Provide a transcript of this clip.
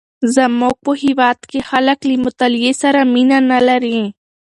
زمونږ په هیواد کې خلک له مطالعې سره مینه نه لري.